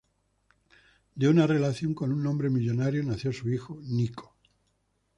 De una relación con un hombre millonario nació su hijo, Nico.